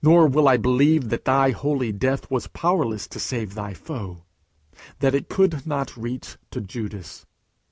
Nor will I believe that thy holy death was powerless to save thy foe that it could not reach to Judas.